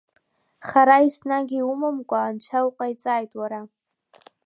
Хара еснагь иумамкәа Анцәа уҟаиҵааит, уара.